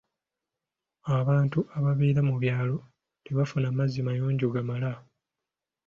Abantu ababeera mu byalo tebafuna mazzi mayonjo gamala.